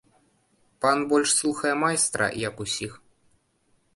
Пан больш слухае майстра, як усіх.